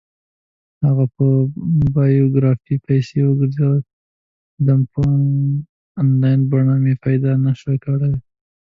د هغه په بایوګرافي پسې وگرځېدم، په انلاین بڼه مې پیدا نه شوه کړلی.